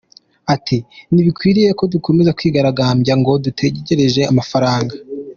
Ati :”Ntibikwiriye ko dukomeza kwigaragambya ngo dutegereje amafaranga.